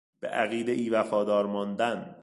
به عقیدهای وفادار ماندن